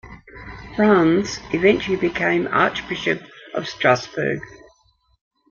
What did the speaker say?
Franz eventually became Archbishop of Strasbourg.